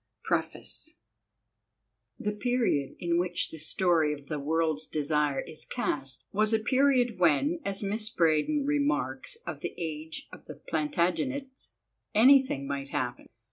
PREFACE The period in which the story of The World's Desire is cast, was a period when, as Miss Braddon remarks of the age of the Plantagenets, "anything might happen."